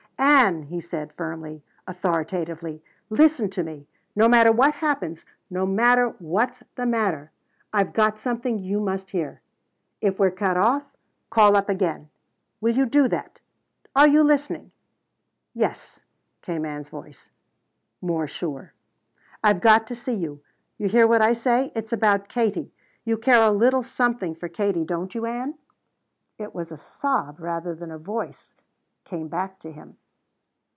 "Ann," he said firmly, authoritatively, "listen to me. No matter what happens no matter what's the matter I've got something you must hear. If we're cut off, call up again. Will you do that? Are you listening?" "Yes," came Ann's voice, more sure. "I've got to see you. You hear what I say? It's about Katie. You care a little something for Katie, don't you, Ann?" It was a sob rather than a voice came back to him.